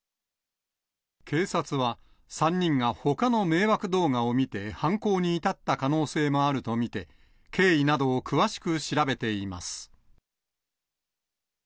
警察は３人がほかの迷惑動画を見て犯行に至った可能性もあると見て、経緯などを詳しく調べています。